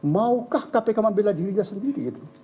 maukah kpk membela dirinya sendiri